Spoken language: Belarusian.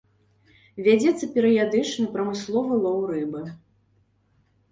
Вядзецца перыядычны прамысловы лоў рыбы.